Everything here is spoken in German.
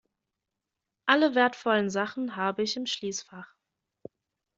Alle wertvollen Sachen habe ich im Schließfach.